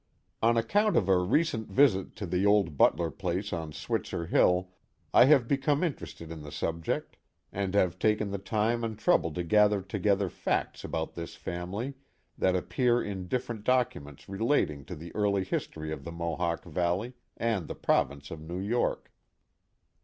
On account of a recent visit to the old Butler place on Switzer Hill I have become interested in the subject, and have taken the time and trouble to gather together facts about this family that appear in different documents relating to the early history of the Mohawk Valley and the province of New York.